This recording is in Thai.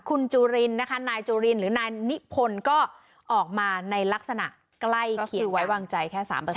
คุณจูรินนะคะนายจูรินหรือนายนิพลก็ออกมาในลักษณะใกล้เขียนค่ะก็คือไว้วางใจแค่สามเปอร์เซ็นต์